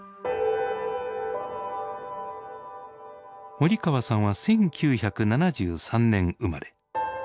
森川さんは１９７３年生まれ。